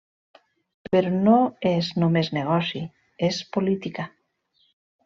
Però no és només negoci, és política.